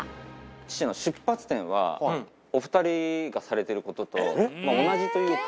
父の出発点は、お２人がされてることと同じというか。